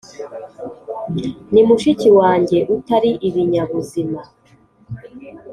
ni mushiki wanjye utari ibinyabuzima.